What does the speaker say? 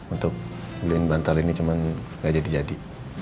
untuk beliin bantal ini cuma gak jadi jadi